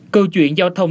câu chuyện giao thông